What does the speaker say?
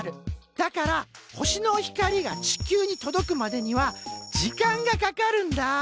だから星の光が地球に届くまでには時間がかかるんだ。